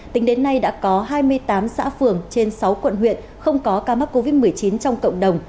tính đến nay đã có hai mươi tám xã phường trên sáu quận huyện không có ca mắc covid một mươi chín trong cộng đồng